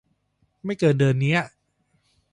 ไม่เกิน เดือนเนี้ย